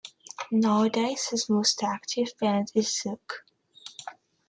Nowadays his most active band is Zook.